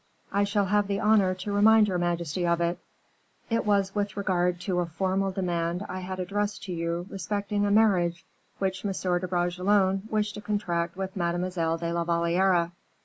"I shall have the honor to remind your majesty of it. It was with regard to a formal demand I had addressed to you respecting a marriage which M. de Bragelonne wished to contract with Mademoiselle de la Valliere."